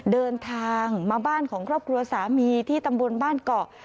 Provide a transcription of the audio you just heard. เดินทางมาบ้านของครอบครัวสามีที่ตำบลบ้านเกาะ